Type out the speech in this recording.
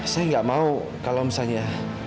saya nggak mau kalau misalnya